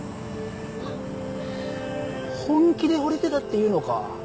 本気で惚れてたって言うのか？